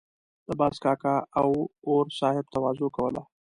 د باز کاکا او اور صاحب تواضع کوله.